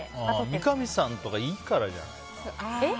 三上さんとかいいからじゃない？